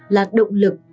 là động lực